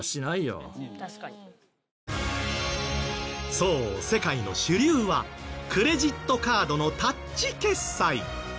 そう世界の主流はクレジットカードのタッチ決済。